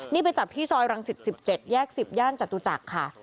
นี่ไปจับที่ซอยรังสิต๑๗แยก๑๐ย่านจตุจักรค่ะ